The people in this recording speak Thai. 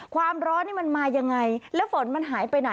ความร้อนนี่มันมายังไงแล้วฝนมันหายไปไหน